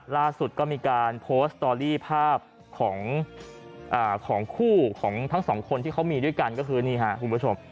ล่าสุดก็มีการโพสต์สตอรี่ภาพของคู่ของทั้งสองคนที่เขามีด้วยกันก็คือนี่ค่ะคุณผู้ชม